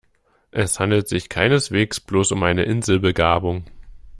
Es handelt sich keineswegs bloß um eine Inselbegabung.